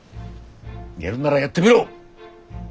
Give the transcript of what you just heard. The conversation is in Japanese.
やるならやってみろ。